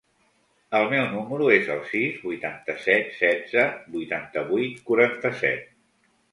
El meu número es el sis, vuitanta-set, setze, vuitanta-vuit, quaranta-set.